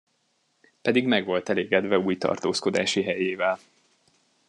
Pedig meg volt elégedve új tartózkodási helyével.